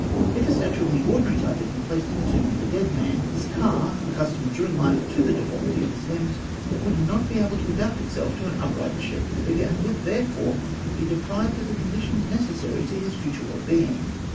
If a statue of the ordinary type had been placed in the tomb of the dead man, his "Ka," accustomed during life to the deformity of his limbs, would not be able to adapt itself to an upright and shapely figure, and would therefore be deprived of the conditions necessary to his future well being.